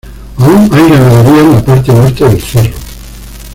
Aún hay ganadería en la parte norte del cerro.